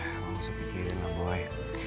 hah emang gak usah pikirin lah boy